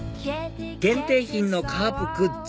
限定品のカープグッズ